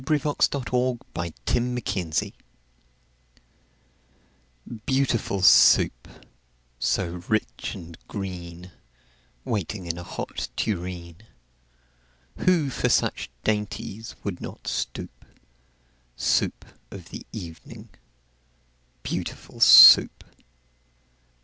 ] Lewis Carroll Beautiful Soup BEAUTIFUL Soup, so rich and green, Waiting in a hot tureen! Who for such dainties would not stoop? Soup of the evening, beautiful Soup!